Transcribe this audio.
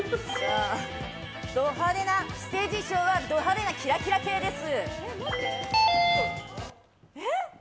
ステージ衣装はド派手なキラキラ系です。